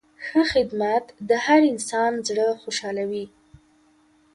ښه خدمت د هر انسان زړه خوشحالوي.